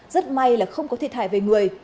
rất may là không có thiệt hại về người